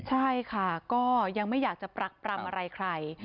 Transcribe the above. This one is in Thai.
ใช่ค่ะก็ยังไม่อยากจะปรักปรำอะไรใคร